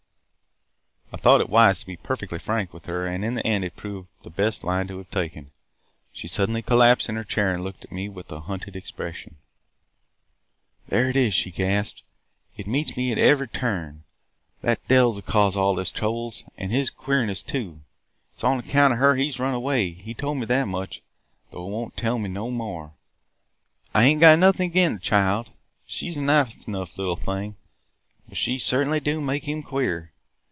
"I thought it wise to be perfectly frank with her and in the end it proved the best line to have taken. She suddenly collapsed in her chair and looked at me with a hunted expression. "'There it is!' she gasped. 'It meets me at ev'ry turn. That Dell 's the cause of all his troubles – an' his queerness too. It 's on account of her he 's run away: he told me that much, though he won't tell me no more. I ain't got nothin' agin' the child – she 's a nice enough little thing, – but she certainly do make him queer.